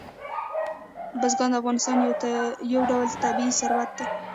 بزګان د افغانستان یو ډول طبعي ثروت دی.